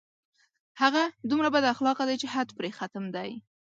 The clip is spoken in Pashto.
هغه دومره بد اخلاقه دی چې حد پرې ختم دی